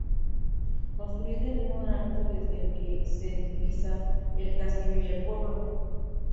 Construida en un alto desde el que se divisa el castillo y el pueblo.